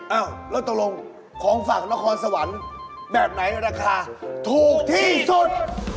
เอ้าแล้วตกลงของฝั่งนครสวรรค์แบบไหนราคาถูกที่สุด